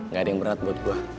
gak ada yang berat buat gue